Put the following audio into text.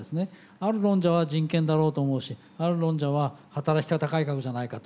ある論者は人権だろうと思うしある論者は働き方改革じゃないかと。